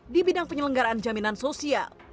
di bidang penyelenggaraan jaminan sosial